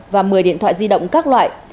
và một mươi điện thoại di động các loại